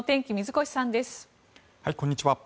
こんにちは。